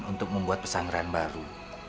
untuk membuat pesanggeran baru